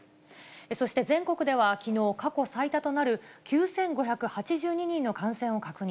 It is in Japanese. そして全国ではきのう、過去最多となる９５８２人の感染を確認。